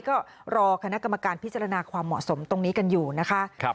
ก็รอคณะกรรมการพิจารณาความเหมาะสมตรงนี้กันอยู่นะคะ